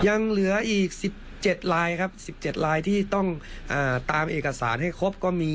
ยังเหลืออีก๑๗ลายครับ๑๗ลายที่ต้องตามเอกสารให้ครบก็มี